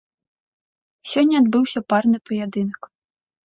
Сёння адбыўся парны паядынак.